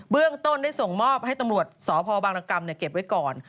เรื่องต้นได้ส่งมอบให้ตำรวจสพบางรกรรมเก็บไว้ก่อน